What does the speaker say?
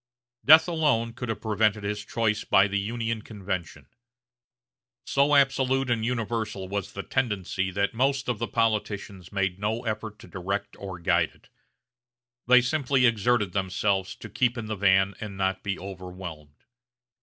Death alone could have prevented his choice by the Union convention. So absolute and universal was the tendency that most of the politicians made no effort to direct or guide it; they simply exerted themselves to keep in the van and not be overwhelmed.